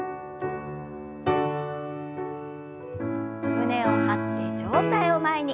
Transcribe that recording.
胸を張って上体を前に。